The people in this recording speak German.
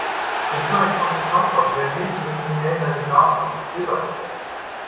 Durch so ein schwaches Passwort servierst du Kriminellen deine Daten auf dem Silbertablett.